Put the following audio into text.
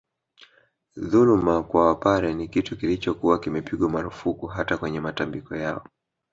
Dhuluma kwa Wapare ni kitu kilichokuwa kimepigwa marufuku hata kwenye matambiko yao